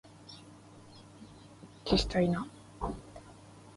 えっちしたいな